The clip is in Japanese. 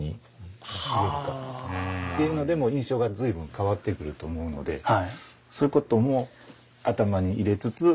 っていうのでも印象が随分変わってくると思うのでそういうことも頭に入れつつ。